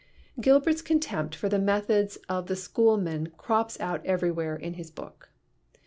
" Gilbert's contempt for the methods of the schoolmen crops out everywhere in his book.